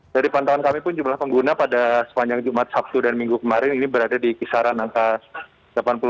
dari pantauan kami pun jumlah pengguna pada sepanjang jumat sabtu dan minggu kemarin ini berada di kisaran angka delapan puluh delapan